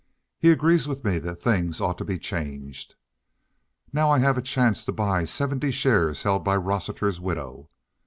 He agrees with me that things ought to be changed. Now I have a chance to buy seventy shares held by Rossiter's widow.